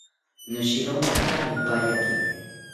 Noshirontaka nopariaki